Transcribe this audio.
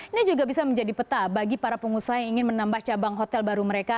ini juga bisa menjadi peta bagi para pengusaha yang ingin menambah cabang hotel baru mereka